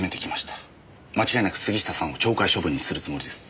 間違いなく杉下さんを懲戒処分にするつもりです。